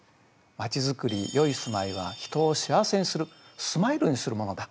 町づくりよい住まいは人を幸せにするスマイルにするものだ。